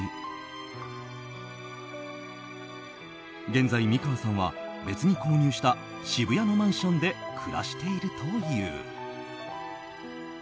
現在、美川さんは別に購入した渋谷のマンションで暮らしているという。